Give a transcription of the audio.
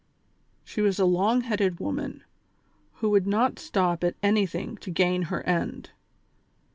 She was a long headed w^oman, who would not stop at anything to gain her end.